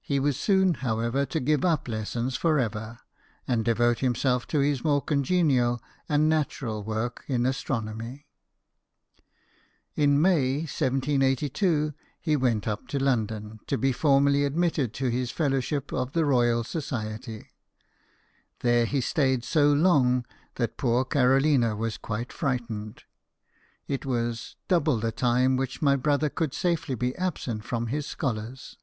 He was soon, however, to ^ive up lessons for ever, and devote himself to his more congenial and natural work in astronomy. In May, 1782, he went up to London, to be formally admitted to his Fellow ship of the Royal Society. There he stayed so long that poor Carolina was quite frightened. It was " double the time which my brother could safely be absent from his scholars."